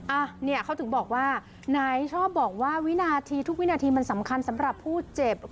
อ่ะเนี่ยเขาถึงบอกว่าไหนชอบบอกว่าวินาทีทุกวินาทีมันสำคัญสำหรับผู้เจ็บ